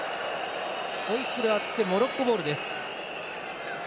ホイッスルあってモロッコボール。